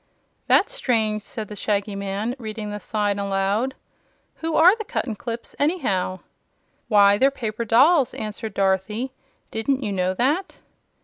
"That's strange," said the Shaggy Man, reading the sign aloud. "Who ARE the Cuttenclips, anyhow?" "Why, they're paper dolls," answered Dorothy. "Didn't you know that?"